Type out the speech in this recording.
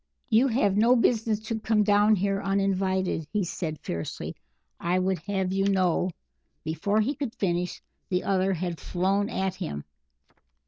"You have no business to come down here uninvited," he said, fiercely. "I would have you know " Before he could finish, the other had flown at him.